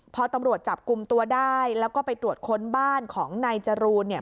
พอตำรวจจับกลุ่มตัวได้แล้วก็ไปตรวจค้นบ้านของนายจรูนเนี่ย